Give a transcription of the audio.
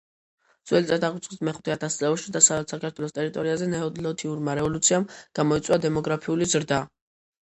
ძვ. წ. V ათასწლეულში დასავლეთ საქართველოს ტერიტორიაზე ნეოლითურმა რევოლუციამ გამოიწვია დემოგრაფიული ზრდა,